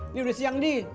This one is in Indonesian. ini udah siang dik